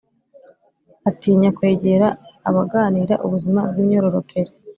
atinya kwegera abaganira ubuzima bw’imyororokere